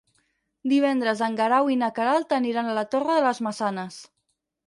Divendres en Guerau i na Queralt aniran a la Torre de les Maçanes.